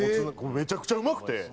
めちゃくちゃうまくて。